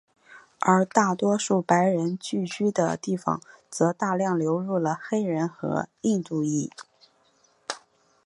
而大多数白人聚居的地方则大量流入了黑人和印度裔。